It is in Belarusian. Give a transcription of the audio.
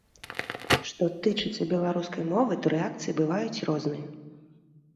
Што тычыцца беларускай мовы, то рэакцыі бываюць розныя.